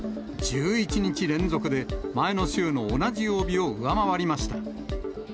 １１日連続で、前の週の同じ曜日を上回りました。